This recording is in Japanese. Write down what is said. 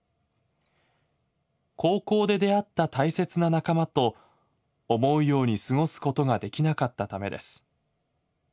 高校で出会った大切な仲間と思うように過ごすことができなかったためです。